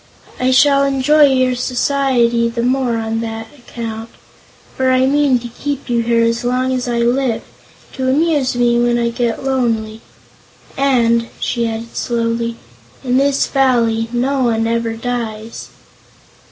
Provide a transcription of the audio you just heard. "I shall enjoy your society the more on that account. For I mean to keep you here as long as I live, to amuse me when I get lonely. And," she added slowly, "in this Valley no one ever dies."